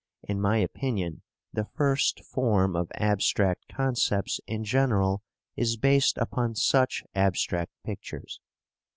In my opinion, the first form of abstract concepts in general is based upon such abstract pictures.